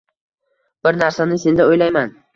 Bir narsani menda o‘ylayman.